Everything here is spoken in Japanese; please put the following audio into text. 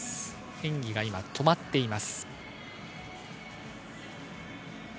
演技が止まっています。